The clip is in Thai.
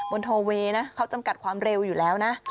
โทเวย์นะเขาจำกัดความเร็วอยู่แล้วนะ